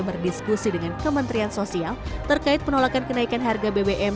berdiskusi dengan kementerian sosial terkait penolakan kenaikan harga bbm